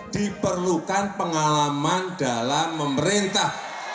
diperlukan pengalaman dalam memerintah